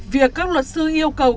việc các luật sư yêu cầu